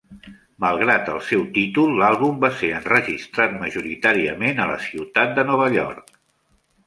Malgrat el seu títol, l'àlbum va ser enregistrat majoritàriament a la ciutat de Nueva York.